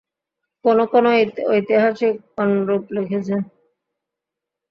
কোন কোন ঐতিহাসিক অন্যরূপ লিখেছেন।